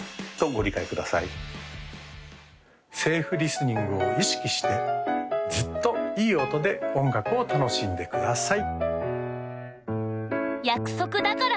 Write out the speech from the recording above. セーフリスニングを意識してずっといい音で音楽を楽しんでください